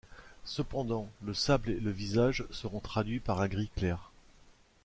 Cependant le sable et le visage seront traduits par un gris clair.